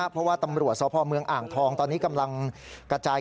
เพราะว่าตำรวจสพเมืองอ่างทองตอนนี้กำลังกระจาย